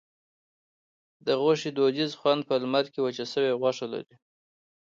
د غوښې دودیز خوند په لمر کې وچه شوې غوښه لري.